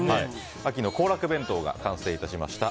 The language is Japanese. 秋の行楽弁当が完成いたしました。